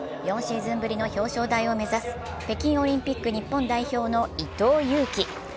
４シーズンぶりの表彰台を目指す北京オリンピック日本代表の伊藤有希。